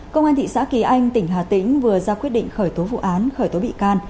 công an thị xã kỳ anh tỉnh hà tĩnh vừa ra quyết định khởi tố vụ án khởi tố bị can